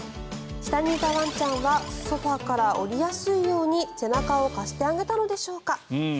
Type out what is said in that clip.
下にいたワンちゃんはソファから下りやすいように背中を貸してあげたのでしょうか。